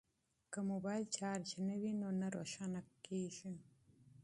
که موبایل چارج نه وي نو نه روښانه کیږي.